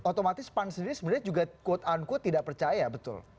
otomatis pan sendiri sebenarnya juga quote unquote tidak percaya betul